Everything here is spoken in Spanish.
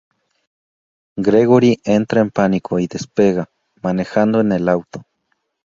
Gregory entra en pánico y despega, manejando en el auto.